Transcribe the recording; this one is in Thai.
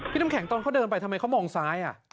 น้ำแข็งตอนเขาเดินไปทำไมเขามองซ้าย